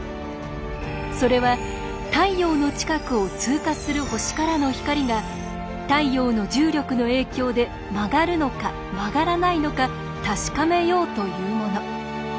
それは太陽の近くを通過する星からの光が太陽の重力の影響で曲がるのか曲がらないのか確かめようというもの。